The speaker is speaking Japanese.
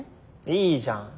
いいじゃん。